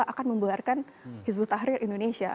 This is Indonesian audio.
kita akan membuarkan hizbul tahrir indonesia